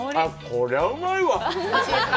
こりゃうまいわ。